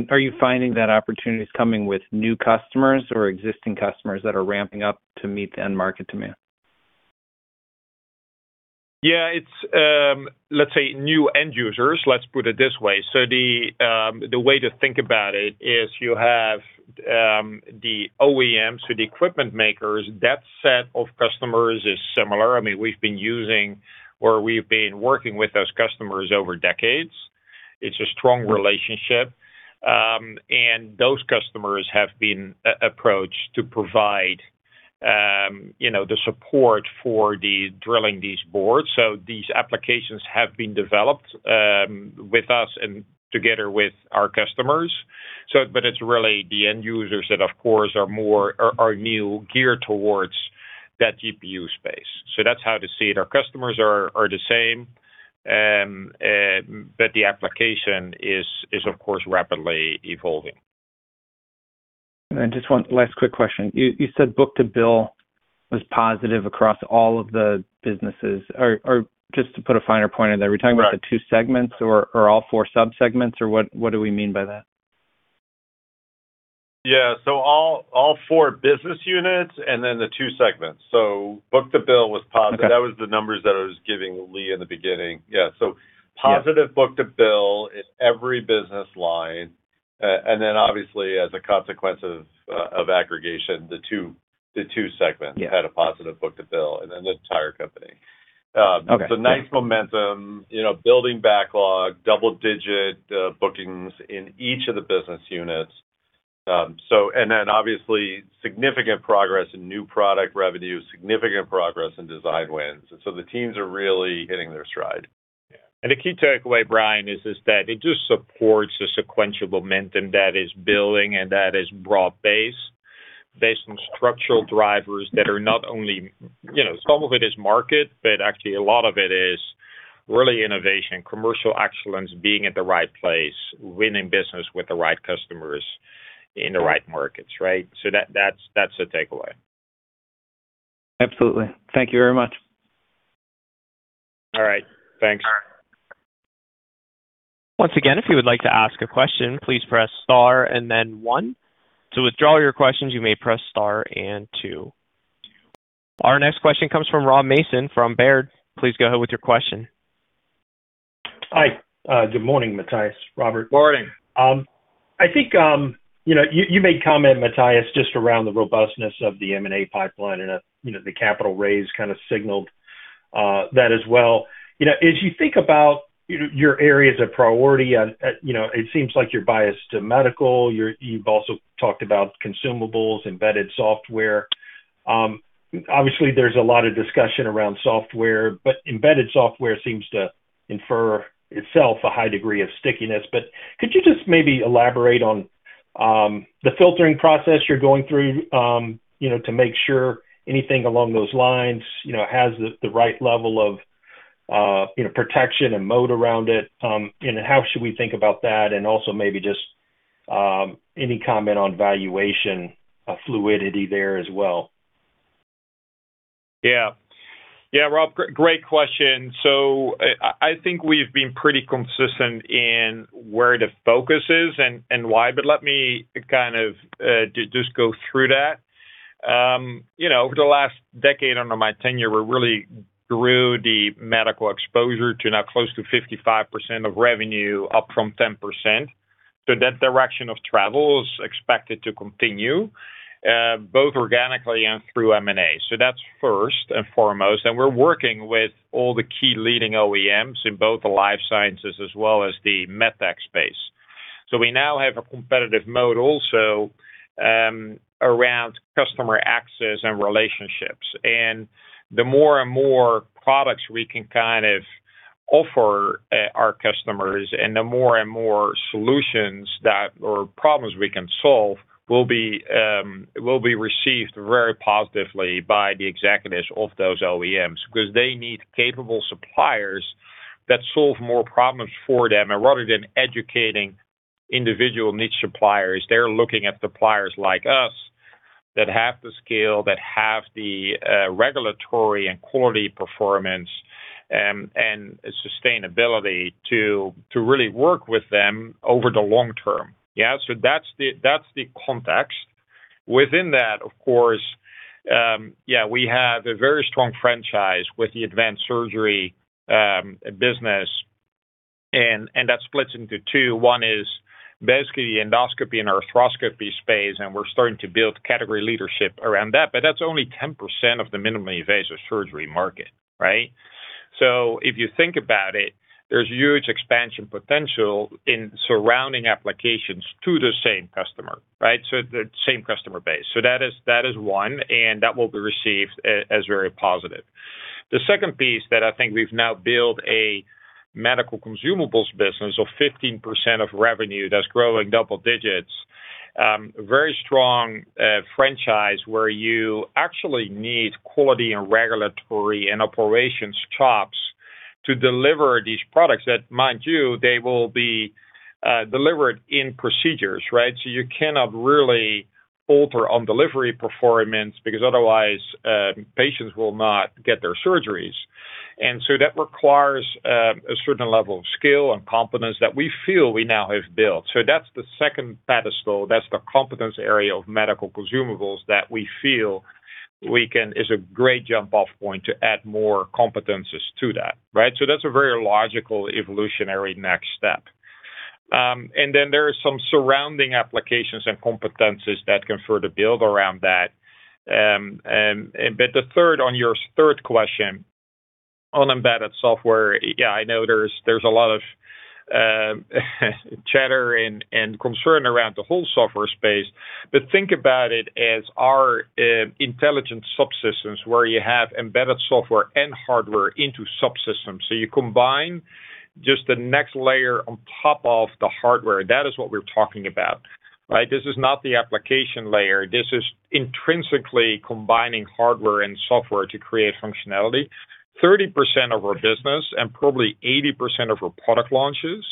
Are you finding that opportunity is coming with new customers or existing customers that are ramping up to meet the end-market demand? Yeah, it's, let's say, new end users. Let's put it this way. The way to think about it is you have the OEMs, so the equipment makers, that set of customers is similar. I mean, we've been using or we've been working with those customers over decades. It's a strong relationship. And those customers have been approached to provide, you know, the support for the drilling these boards. These applications have been developed with us and together with our customers. But it's really the end users that, of course, are more, are new geared towards that GPU space. That's how to see it. Our customers are the same, but the application is, of course, rapidly evolving. Just one last quick question? You said book-to-bill was positive across all of the businesses. Just to put a finer point on that, we're talking about... Right... the two segments or all four subsegments, or what do we mean by that? Yeah. All four business units and then the two segments. Book-to-bill was positive. That was the numbers that I was giving Lee in the beginning. Yeah. Yeah positive book-to-bill in every business line. Obviously, as a consequence of aggregation, the two segments. Yeah... had a positive book-to-bill, and then the entire company. Okay Nice momentum, you know, building backlog, double-digit bookings in each of the business units. Obviously, significant progress in new product revenue, significant progress in design wins. The teams are really hitting their stride. The key takeaway, Brian, is that it just supports the sequential momentum that is building and that is broad-based, based on structural drivers that are not only, you know, some of it is market, but actually a lot of it is really innovation, commercial excellence, being at the right place, winning business with the right customers in the right markets, right? That's the takeaway. Absolutely. Thank you very much. All right, thanks. Once again, if you would like to ask a question, please press star and then one. To withdraw your questions, you may press star and two. Our next question comes from Rob Mason from Baird. Please go ahead with your question. Hi. good morning, Matthijs, Robert. Morning. I think, you know, you made comment, Matthijs, just around the robustness of the M&A pipeline, you know, the capital raise kind of signaled that as well. You know, as you think about your areas of priority and, you know, it seems like you're biased to medical. You've also talked about consumables, embedded software. Obviously, there's a lot of discussion around software, but embedded software seems to infer itself a high degree of stickiness. Could you just maybe elaborate on the filtering process you're going through, you know, to make sure anything along those lines, you know, has the right level of, you know, protection and mode around it? How should we think about that? Also, maybe just any comment on valuation fluidity there as well. Yeah. Yeah, Rob, great question. I think we've been pretty consistent in where the focus is and why, but let me kind of, just go through that. You know, over the last decade under my tenure, we really grew the medical exposure to now close to 55% of revenue, up from 10%. That direction of travel is expected to continue, both organically and through M&A. That's first and foremost, and we're working with all the key leading OEMs in both the life sciences as well as the MedTech space. We now have a competitive mode also, around customer access and relationships. The more and more products we can kind of offer, our customers, and the more and more solutions that... Problems we can solve, will be received very positively by the executives of those OEMs. They need capable suppliers that solve more problems for them, and rather than educating individual niche suppliers, they're looking at suppliers like us that have the scale, that have the regulatory and quality performance and sustainability to really work with them over the long term. That's the context. Within that, of course, we have a very strong franchise with the advanced surgery business, and that splits into two. One is basically the endoscopy and arthroscopy space, and we're starting to build category leadership around that, but that's only 10% of the minimally invasive surgery market, right? If you think about it, there's huge expansion potential in surrounding applications to the same customer, right? The same customer base. That is one, and that will be received as very positive. The second piece that I think we've now built a medical consumables business of 15% of revenue that's growing double digits. Very strong franchise where you actually need quality and regulatory and operations chops to deliver these products. That mind you, they will be delivered in procedures, right? You cannot really alter on delivery performance because otherwise, patients will not get their surgeries. That requires a certain level of skill and competence that we feel we now have built. That's the second pedestal. That's the competence area of medical consumables that we feel is a great jump-off point to add more competencies to that, right? That's a very logical evolutionary next step. There are some surrounding applications and competencies that can further build around that. The third, on your third question, on embedded software, yeah, I know there's a lot of chatter and concern around the whole software space. Think about it as our Intelligent subsystems, where you have embedded software and hardware into subsystems. You combine just the next layer on top of the hardware. That is what we're talking about, right? This is not the application layer. This is intrinsically combining hardware and software to create functionality. 30% of our business and probably 80% of our product launches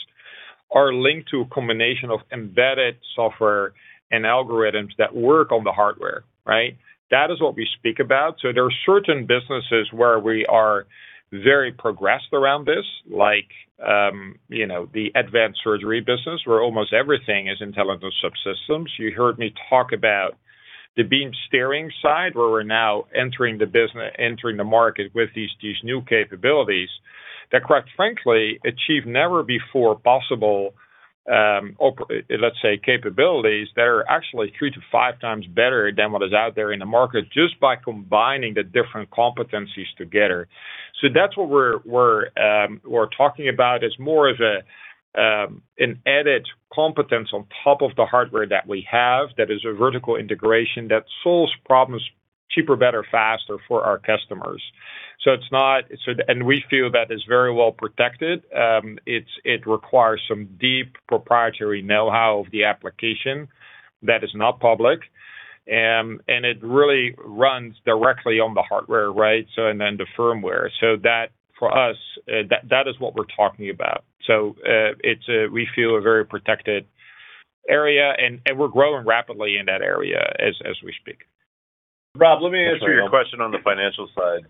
are linked to a combination of embedded software and algorithms that work on the hardware, right? That is what we speak about. There are certain businesses where we are very progressed around this, like, you know, the advanced surgery business, where almost everything is Intelligent subsystems. You heard me talk about the beam steering side, where we're now entering the market with these new capabilities that, quite frankly, achieve never before possible, let's say, capabilities that are actually 3x to 5x better than what is out there in the market, just by combining the different competencies together. That's what we're talking about, as more of an added competence on top of the hardware that we have. That is a vertical integration that solves problems cheaper, better, faster for our customers. It's not. We feel that it's very well protected. It requires some deep proprietary know-how of the application that is not public. It really runs directly on the hardware, right? Then the firmware. That, for us, that is what we're talking about. It's a, we feel, a very protected area, and we're growing rapidly in that area as we speak. Rob, let me answer your question on the financial side.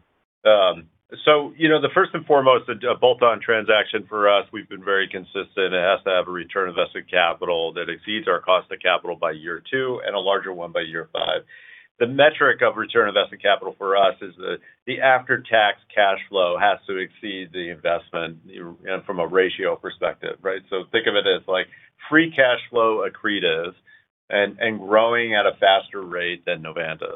You know, the first and foremost, a bolt-on transaction for us, we've been very consistent. It has to have a return on invested capital that exceeds our cost of capital by year two, and a larger one by year five. The metric of return on invested capital for us is the after-tax cash flow has to exceed the investment, you know, from a ratio perspective, right? Think of it as like free cash flow accretive and growing at a faster rate than Novanta.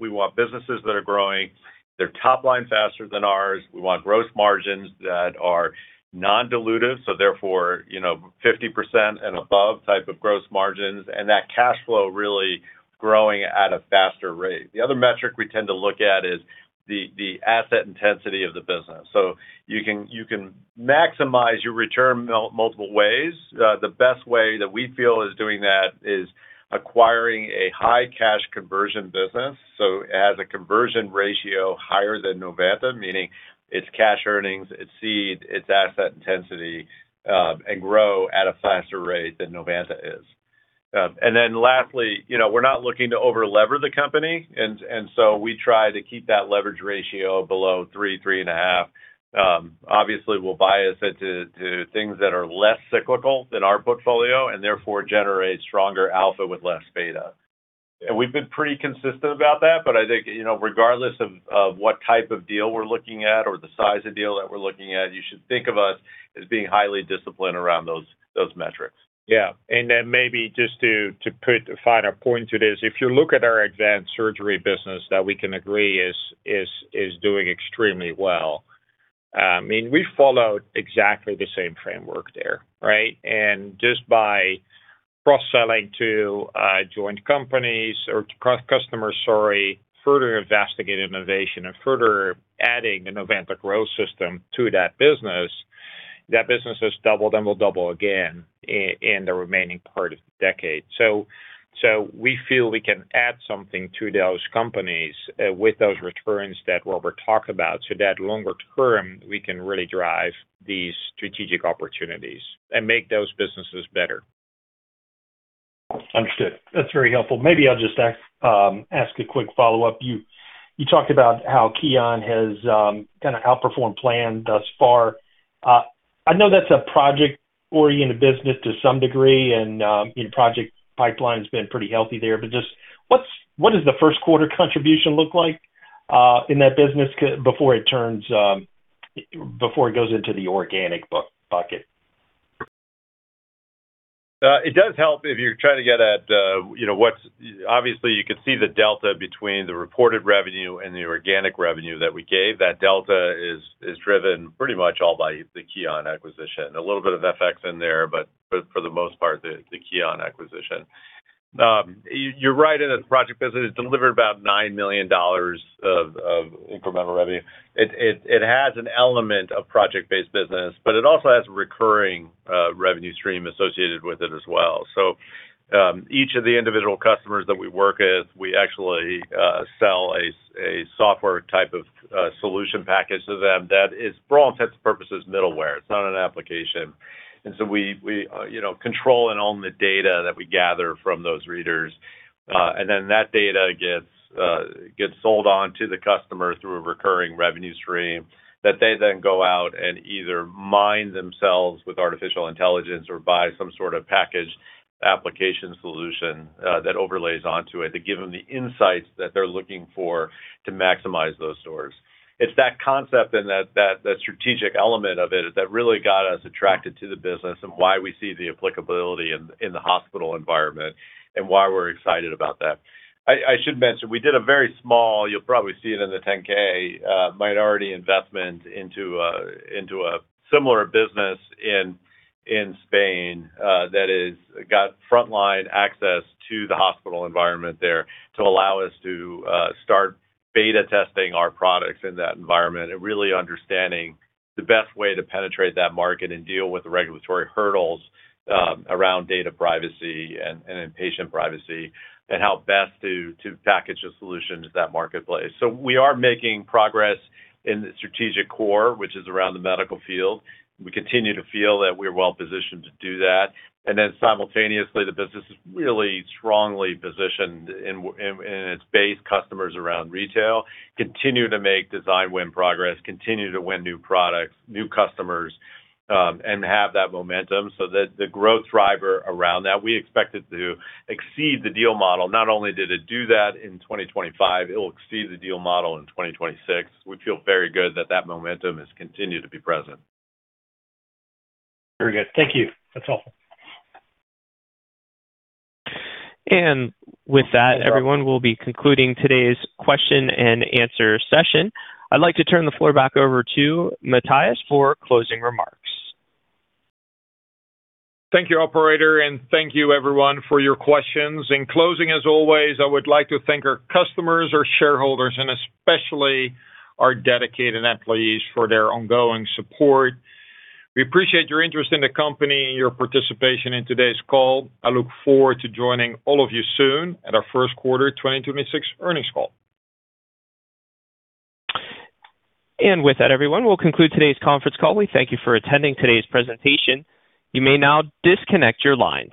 We want businesses that are growing their top line faster than ours. We want gross margins that are non-dilutive, therefore, you know, 50% and above type of gross margins, and that cash flow really growing at a faster rate. The other metric we tend to look at is the asset intensity of the business. You can maximize your return multiple ways. The best way that we feel is doing that is acquiring a high cash conversion business, it has a conversion ratio higher than Novanta, meaning its cash earnings exceed its asset intensity, and grow at a faster rate than Novanta is. Lastly, you know, we're not looking to over-lever the company, we try to keep that leverage ratio below 3.5. Obviously, we'll buy asset to things that are less cyclical than our portfolio and therefore generate stronger alpha with less beta. We've been pretty consistent about that, but I think, you know, regardless of what type of deal we're looking at or the size of deal that we're looking at, you should think of us as being highly disciplined around those metrics. Then maybe just to put a finer point to this, if you look at our Advanced Surgery Business, that we can agree is doing extremely well, I mean, we followed exactly the same framework there, right? Just by cross-selling to joint companies or cross customers, sorry, further investigate innovation and further adding the Novanta Growth System to that business, that business has doubled and will double again in the remaining part of the decade. So we feel we can add something to those companies, with those returns that Robert talked about, so that longer term, we can really drive these strategic opportunities and make those businesses better. Understood. That's very helpful. Maybe I'll just ask a quick follow-up. You, you talked about how Keonn has, kind of outperformed plan thus far. I know that's a project-oriented business to some degree, and, you know, project pipeline's been pretty healthy there, but just what does the first quarter contribution look like in that business before it turns, before it goes into the organic bucket? It does help if you're trying to get at, you know. Obviously, you can see the delta between the reported revenue and the organic revenue that we gave. That delta is driven pretty much all by the Keonn acquisition. A little bit of FX in there, but for the most part, the Keonn acquisition. You're right in that the project business delivered about $9 million of incremental revenue. It has an element of project-based business, but it also has a recurring revenue stream associated with it as well. Each of the individual customers that we work with, we actually sell a software type of solution package to them that is, for all intents and purposes, middleware. It's not an application. We, you know, control and own the data that we gather from those readers, and then that data gets sold on to the customer through a recurring revenue stream, that they then go out and either mine themselves with artificial intelligence or buy some sort of packaged application solution, that overlays onto it to give them the insights that they're looking for to maximize those stores. It's that concept and that strategic element of it that really got us attracted to the business and why we see the applicability in the hospital environment, and why we're excited about that. I should mention, we did a very small, you'll probably see it in the 10-K, minority investment into a similar business in Spain that is got frontline access to the hospital environment there to allow us to start beta testing our products in that environment and really understanding the best way to penetrate that market and deal with the regulatory hurdles around data privacy and patient privacy, and how best to package a solution to that marketplace. We are making progress in the strategic core, which is around the medical field. We continue to feel that we're well positioned to do that. Simultaneously, the business is really strongly positioned in its base customers around retail, continue to make design win progress, continue to win new products, new customers, and have that momentum so that the growth driver around that, we expect it to exceed the deal model. Not only did it do that in 2025, it will exceed the deal model in 2026. We feel very good that that momentum has continued to be present. Very good. Thank you. That's all. With that, everyone, we'll be concluding today's question and answer session. I'd like to turn the floor back over to Matthijs for closing remarks. Thank you, operator. Thank you everyone for your questions. In closing, as always, I would like to thank our customers, our shareholders, and especially our dedicated employees for their ongoing support. We appreciate your interest in the company and your participation in today's call. I look forward to joining all of you soon at our First Quarter 2026 Earnings Call. With that, everyone, we'll conclude today's conference call. We thank you for attending today's presentation. You may now disconnect your lines.